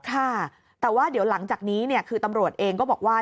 ค่ะแต่ว่าเดี๋ยวหลังจากนี้คือตำรวจเองก็บอกว่า